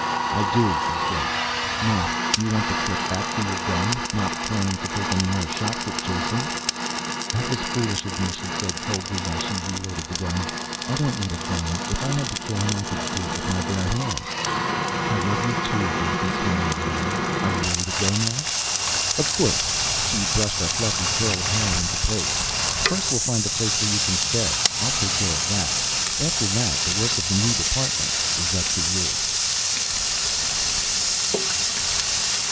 "I do," he said. "Now, do you want the clip back for your gun? Not planning to take any more shots at Jason?" "That was foolish of me," she said coldly while she reloaded the gun. "I don't need a gun. If I had to kill him, I could do it with my bare hands." "I love you, too," Jason smiled at her. "Are you ready to go now?" "Of course." She brushed a fluffy curl of hair into place. "First we'll find a place where you can stay. I'll take care of that. After that the work of the new department is up to you."